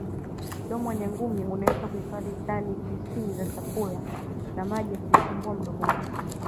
Mdomo wa nyangumi unaweza kuhifazi tani tisini za chakula na maji akiufumbua mdomo wake